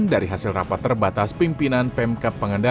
dari hasil rapat terbatas pimpinan pemkab